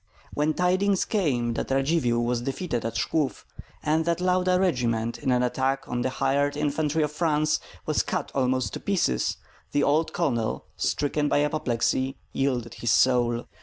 When tidings came that Radzivill was defeated at Shklov, and the Lauda regiment in an attack on the hired infantry of France was cut almost to pieces, the old colonel, stricken by apoplexy, yielded his soul.